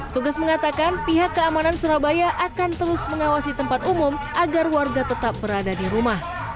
tugas mengatakan pihak keamanan surabaya akan terus mengawasi tempat umum agar warga tetap berada di rumah